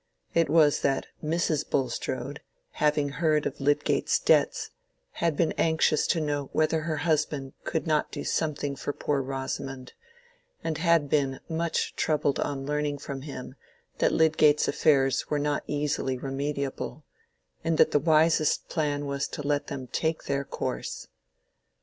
It was that Mrs. Bulstrode, having heard of Lydgate's debts, had been anxious to know whether her husband could not do something for poor Rosamond, and had been much troubled on learning from him that Lydgate's affairs were not easily remediable, and that the wisest plan was to let them "take their course."